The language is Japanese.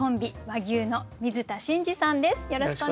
和牛の水田信二さんです。